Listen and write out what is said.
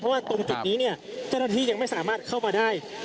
เพราะว่าตรงจุดนี้เนี่ยเจ้าหน้าที่ยังไม่สามารถเข้ามาได้